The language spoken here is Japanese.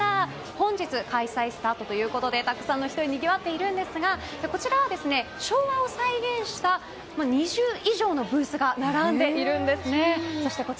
本日開催スタートということでたくさんの人でにぎわっているんですがこちらは昭和を再現した２０以上のブースが並んでいるんですね。